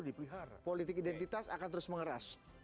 dipelihara politik identitas akan terus mengeras